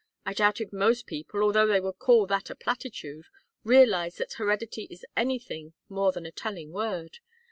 I doubt if most people, although they would call that a platitude, realize that heredity is anything more than a telling word.